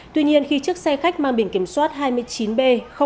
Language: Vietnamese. tuy nhiên khi chiếc xe khách mang biển kiểm soát hai mươi chín b ba nghìn bốn mươi ba